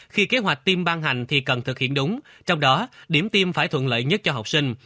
khi kế hoạch tiêm ban hành thì cần thực hiện đúng trong đó điểm tiêm phải thuận lợi nhất cho học sinh